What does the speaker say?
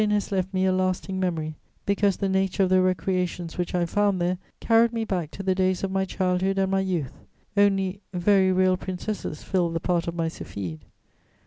] Berlin has left me a lasting memory, because the nature of the recreations which I found there carried me back to the days of my childhood and my youth; only, very real princesses filled the part of my Sylphide.